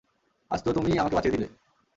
আজ তো তুমিই আমাকে বাচিয়ে দিলে।